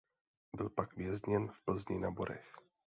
Byl pak vězněn v Plzni na Borech.